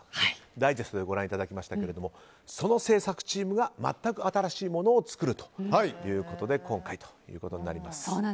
ダイジェストでご覧いただきましたがその制作チームが全く新しいものを作るということで今回ということになります。